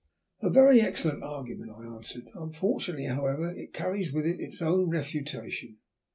"A very excellent argument," I answered. "Unfortunately, however, it carries with it its own refutation.